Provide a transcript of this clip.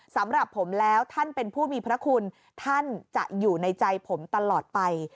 สำหรับผมแล้วท่านเป็นผู้มีพระคุณท่านจะอยู่ในใจผมตลอดไป